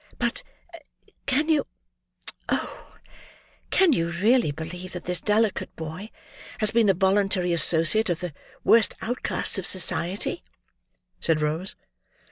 "But, can you—oh! can you really believe that this delicate boy has been the voluntary associate of the worst outcasts of society?" said Rose.